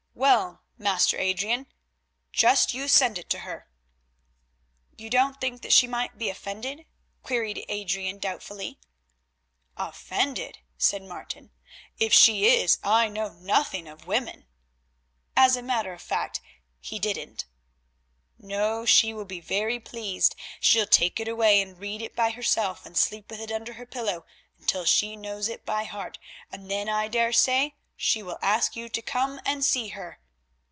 Well, Master Adrian, just you send it to her." "You don't think that she might be offended?" queried Adrian doubtfully. "Offended!" said Martin, "if she is I know nothing of women" (as a matter of fact he didn't.) "No, she will be very pleased; she'll take it away and read it by herself, and sleep with it under her pillow until she knows it by heart, and then I daresay she will ask you to come and see her.